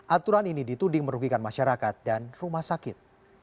aturan ini dituding merugikan masyarakat dan rumah sakit